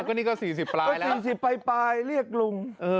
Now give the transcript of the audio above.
ก็นี่ก็๔๐ไปเรียกลุง